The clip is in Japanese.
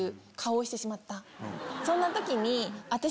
そんな時に。